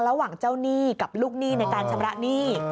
ระหว่างเจ้าหนี้กับลูกหนี้ในการชำระหนี้